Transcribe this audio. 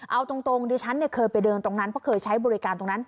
เอาตรงดิฉันเคยไปเดินตรงนั้นเพราะเคยใช้บริการตรงนั้น